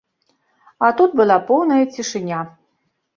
А тут была поўная цішыня.